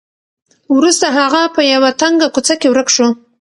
وروسته هغه په یوه تنګه کوڅه کې ورک شو.